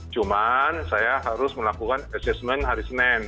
cuma saya harus melakukan assessment hari senin